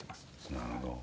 なるほど。